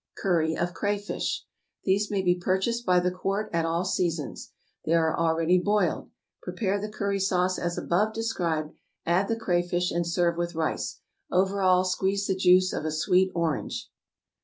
=Curry of Crayfish.= These may be purchased by the quart at all seasons. They are already boiled. Prepare the curry sauce as above described, add the crayfish, and serve with rice; over all squeeze the juice of a sweet orange.